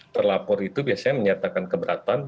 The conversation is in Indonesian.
terlapor itu biasanya menyatakan keberatan